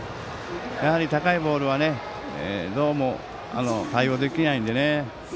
やはり高いボールはどうも対応できないのでね。